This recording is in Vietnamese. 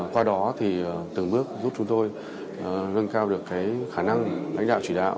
qua đó thì từng bước giúp chúng tôi nâng cao được cái khả năng lãnh đạo chỉ đạo